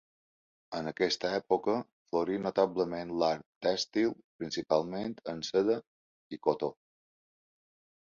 En aquesta època florí notablement l'art tèxtil, principalment en seda i cotó.